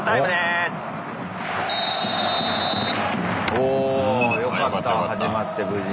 およかった始まって無事。